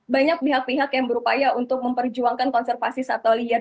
banyak pihak pihak yang berupaya untuk memperjuangkan konservasi satolier